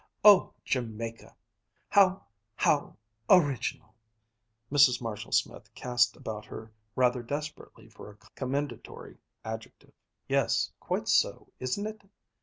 "Oh! Jamaica! How ... how ... original!" Mrs. Marshall Smith cast about her rather desperately for a commendatory adjective. "Yes, quite so, isn't it?"